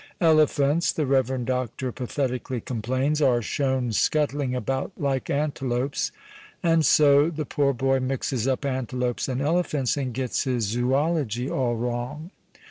" Elephants," the reverend Doctor pathetically complains, " arc shown scuttling about like antelopes," and so the poor boy mixes up antelopes and elephants and gets his zoology all wrong.